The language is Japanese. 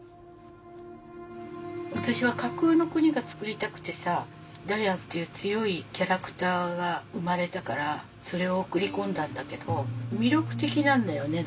私は架空の国がつくりたくてさダヤンっていう強いキャラクターが生まれたからそれを送り込んだんだけど魅力的なんだよね